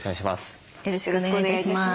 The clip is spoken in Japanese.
よろしくお願いします。